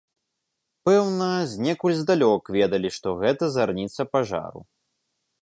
Пэўна, знекуль здалёк ведалі, што гэта зарніца пажару.